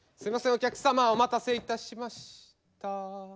お客様お待たせいたしました。